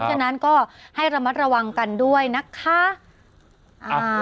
ฉะนั้นก็ให้ระมัดระวังกันด้วยนะคะ